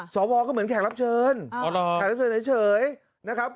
สวรรค์ก็เหมือนแค่รับเชิญเหนือเฉยนี่อยู่ขอหล่อ